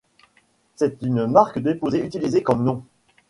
C'est une marque déposée, utilisée comme nom.